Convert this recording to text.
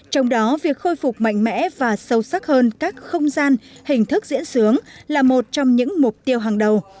trong đó việc khôi phục mạnh mẽ và sâu sắc hơn các không gian hình thức diễn sướng là một trong những mục tiêu hàng đầu